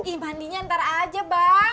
ih mandinya ntar aja bang